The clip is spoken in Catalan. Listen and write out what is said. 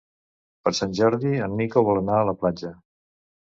Per Sant Jordi en Nico vol anar a la platja.